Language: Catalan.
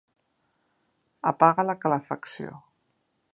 Apaga la calefacció.